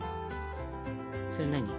それ何？